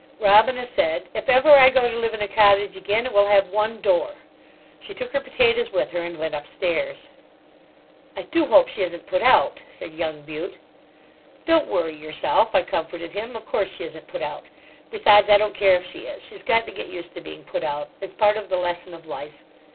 Robina said: "If ever I go to live in a cottage again it will have one door." She took her potatoes with her and went upstairs. "I do hope she isn't put out," said young Bute. "Don't worry yourself," I comforted him. "Of course she isn't put out. Besides, I don't care if she is. She's got to get used to being put out; it's part of the lesson of life."